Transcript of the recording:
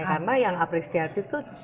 karena yang apresiatif tuh